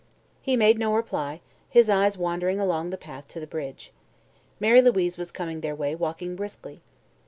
He made no reply, his eyes wandering along the path to the bridge. Mary Louise was coming their way, walking briskly.